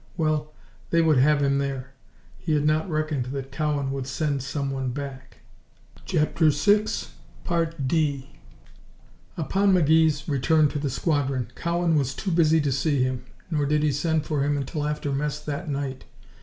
Well, they would have him there. He had not reckoned that Cowan would send someone back. 4 Upon McGee's return to the squadron, Cowan was too busy to see him, nor did he send for him until after mess that night.